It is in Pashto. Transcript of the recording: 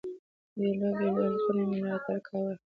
بېلو بېلو حلقو مي ملاتړ کاوه.